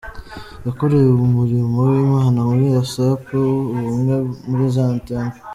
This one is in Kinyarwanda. Yakoreye umurimo w’Imana muri Asaph Ubumwe muri Zion Temple.